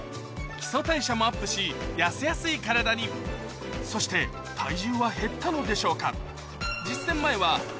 基礎代謝もアップし痩せやすい体にそして体重は減ったのでしょうか？